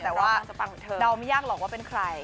แต่ว่าดาวไม่ยากหรอกว่าเป็นใคร